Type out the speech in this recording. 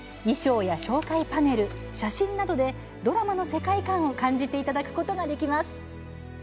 衣装や紹介パネル、写真などでドラマの世界観を感じていただくことができます。